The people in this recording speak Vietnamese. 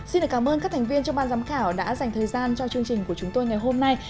xin được cảm ơn các thành viên trong ban giám khảo đã dành thời gian cho chương trình của chúng tôi ngày hôm nay